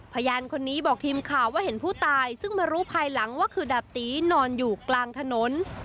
พยานคนนี้บอกทีมข่าวว่าเห็นผู้ตายซึ่งมารู้ภายหลังว่าคือดาบตีนอนอยู่กลางถนน